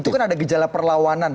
itu kan ada gejala perlawanan